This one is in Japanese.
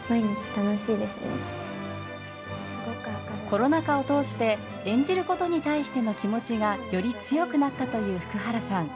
コロナ禍を通して演じることに対しての気持ちがより強くなったという福原さん。